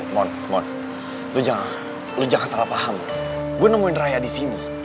mon lo jangan salah paham gue nemuin raya disini